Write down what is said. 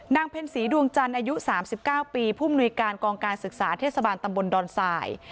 เพ็ญศรีดวงจันทร์อายุ๓๙ปีผู้มนุยการกองการศึกษาเทศบาลตำบลดอนสาย